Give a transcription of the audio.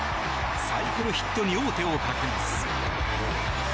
サイクルヒットに王手をかけます。